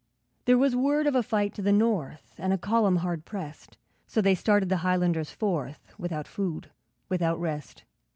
There was word of a fight to the north, And a column hard pressed, So they started the Highlanders forth, Without food, without rest.